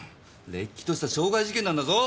れっきとした傷害事件なんだぞ！